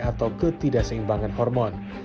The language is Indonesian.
atau ketidaseimbangan hormon